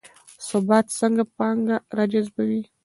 ثبات څنګه پانګه راجذبوي؟